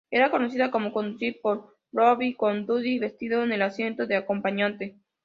Era conocida por conducir por Brooklyn con Buddy vestido en el asiento de acompañante.